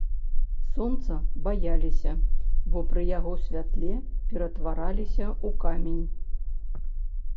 Сонца баяліся, бо пры яго святле ператвараліся ў камень.